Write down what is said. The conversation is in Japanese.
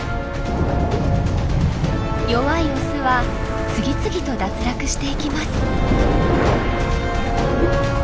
弱いオスは次々と脱落していきます。